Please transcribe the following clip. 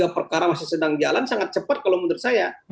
perkara masih sedang jalan sangat cepat kalau menurut saya